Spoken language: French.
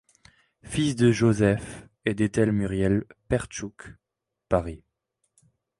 Fils de Joseph et d’Ethel Muriel Pertschuk, Paris.